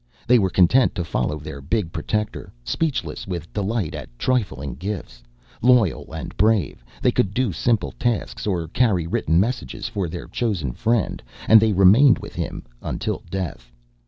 They were content to follow their big protector, speechless with delight at trifling gifts. Loyal and brave, they could do simple tasks or carry written messages for their chosen friend, and they remained with him until death.